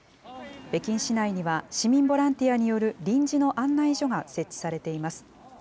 北京市内には、市民ボランティアによる臨時の案内所が設置されています。